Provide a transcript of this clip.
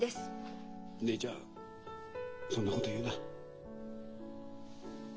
ねえちゃんそんなこと言うな。